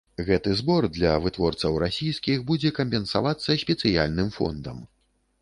Гэты збор для вытворцаў расійскіх будзе кампенсавацца спецыяльным фондам.